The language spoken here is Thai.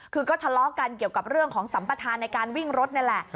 คือก็ทะเลาะกันเกี่ยวกับเรื่องของสัมปทานในการวิ่งรถนี่แหละ